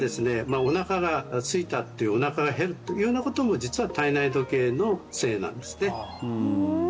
まあおなかがすいたっておなかが減るというようなことも実は体内時計のせいなんですね